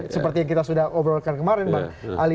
seperti yang kita sudah obrolkan kemarin bang ali